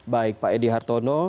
baik pak edi hartono